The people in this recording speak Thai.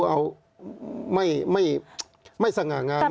แต่มันไม่น่ามีปัญหาอะไรไหมคะ